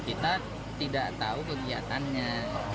kita tidak tahu kegiatannya